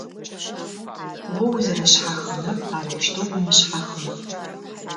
О узэрэшъхьахынэр - арэущтэу умышъхьахын.